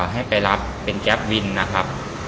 ให้ไปรับเป็นแก๊ปวินนะครับ